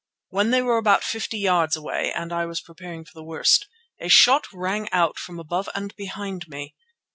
When they were about fifty yards away and I was preparing for the worst, a shot rang out from above and behind me.